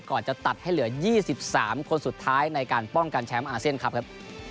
จะตัดให้เหลือ๒๓คนสุดท้ายในการป้องกันแชมป์อาเซียนครับครับ